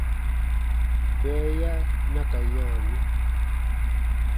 Bɛɛya na ka yã mi.